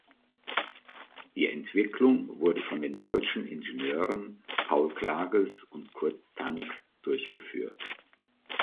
Die Entwicklung wurde von den deutschen Ingenieuren Paul Klages und Kurt Tank durchgeführt.